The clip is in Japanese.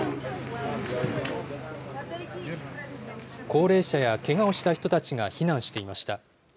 高齢者やけがをした人たちが避難していました。